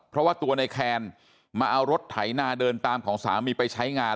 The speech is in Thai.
เพราะว่าตัวในแคนมาเอารถไถนาเดินตามของสามีไปใช้งาน